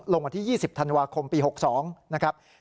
ลงวันที่๒๐ธันวาคมปี๖๒ธนาที